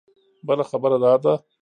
بله خبره دا ده.